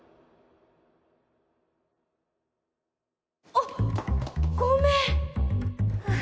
おっごめん！